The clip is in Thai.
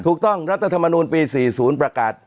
ถูกต้องรัฐธรรมนูลปี๔๐ประกาศ